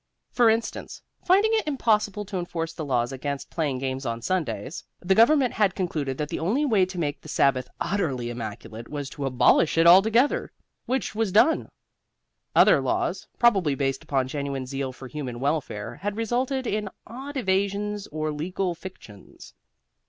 For instance, finding it impossible to enforce the laws against playing games on Sundays, the Government had concluded that the only way to make the Sabbath utterly immaculate was to abolish it altogether, which was done. Other laws, probably based upon genuine zeal for human welfare, had resulted in odd evasions or legal fictions.